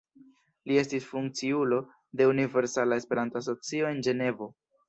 Li estis funkciulo de Universala Esperanto-Asocio en Ĝenevo.